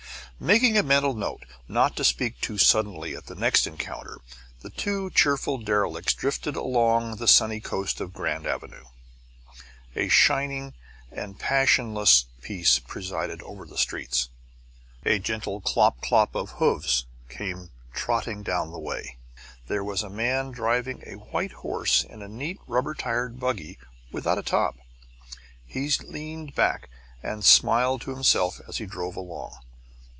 Making a mental note not to speak too suddenly at the next encounter, the two cheerful derelicts drifted along the sunny coast of Grand Avenue. A shining and passionless peace presided over the streets. A gentle clop clop of hooves came trotting down the way: here was a man driving a white horse in a neat rubber tired buggy without a top. He leaned back and smiled to himself as he drove along.